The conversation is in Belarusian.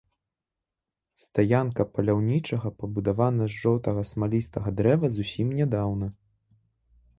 Стаянка паляўнічага пабудавана з жоўтага смалістага дрэва зусім нядаўна.